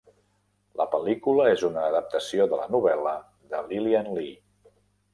La pel·lícula és una adaptació de la novel·la de Lilian Lee.